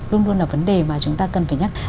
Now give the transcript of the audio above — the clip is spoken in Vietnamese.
luôn luôn là vấn đề mà chúng ta cần phải nhắc